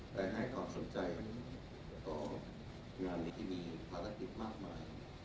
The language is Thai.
และให้ความสนใจต่องานที่มีประสาทิตย์มากมาย